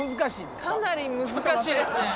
かなり難しいですね。